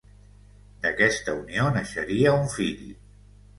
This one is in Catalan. D'aquesta unió naixeria un fill.